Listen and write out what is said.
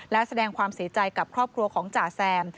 และแสดงความเสียใจกับครอบครัวของจ่าแซม